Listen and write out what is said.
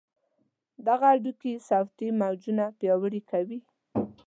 دغه هډوکي صوتي موجونه پیاوړي کوي.